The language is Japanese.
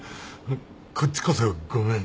こっちこそごめん。